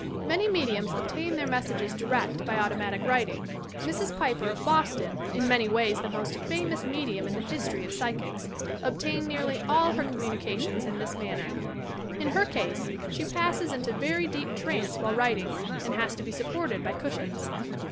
Many me diums obtain their messages direct by automatic writing. Mrs. Piper of Boston, in many ways the most famous medium in the history of Psychics, obtained nearly all her communications in this manner. In her case, she passes into very deep trance while writing and has to be supported by cushions.